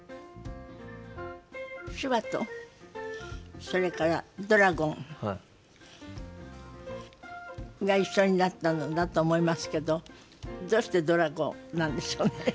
「手話」とそれから「ドラゴン」が一緒になったんだと思いますけどどうしてドラゴンなんでしょうね？